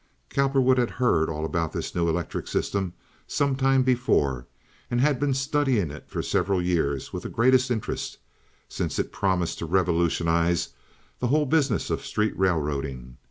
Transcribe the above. Cowperwood had heard all about this new electric system some time before, and had been studying it for several years with the greatest interest, since it promised to revolutionize the whole business of street railroading.